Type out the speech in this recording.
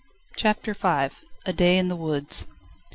CHAPTER V A day in the woods.